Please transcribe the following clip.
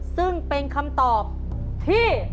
ซึ่งเป็นคำตอบที่